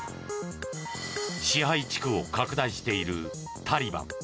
支配地区を拡大しているタリバン。